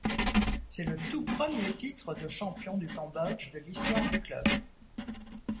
C'est le tout premier titre de champion du Cambodge de l'histoire du club.